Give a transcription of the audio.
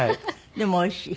でもおいしい？